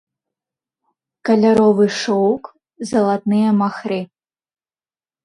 Каляровы шоўк, залатныя махры.